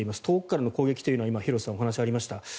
遠くからの攻撃というのは今、廣瀬さんのお話にありました